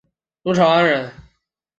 陆朝安人。